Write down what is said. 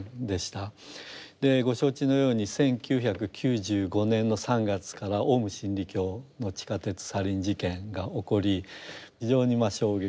ご承知のように１９９５年の３月からオウム真理教の地下鉄サリン事件が起こり非常に衝撃を受けまして。